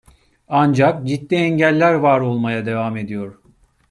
Ancak ciddi engeller var olmaya devam ediyor.